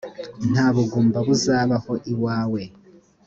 nta bugumba buzabaho iwawe,